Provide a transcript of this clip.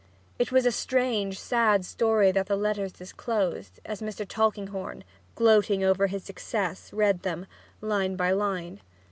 It was a strange, sad story that the letters disclosed, as Mr. Tulkinghorn, gloating over his success, read them, line by line.